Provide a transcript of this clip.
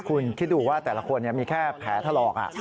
คุณคิดดูว่าแต่ละคนมีแค่แผลถลอก